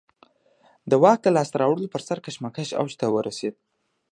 د واک د لاسته راوړلو پر سر کشمکش اوج ته ورسېد.